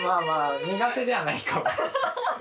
苦手ではないかも。